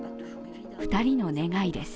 ２人の願いです。